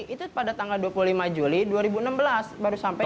itu pada tanggal dua puluh lima juli dua ribu enam belas baru sampai